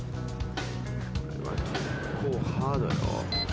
これは結構ハードよ。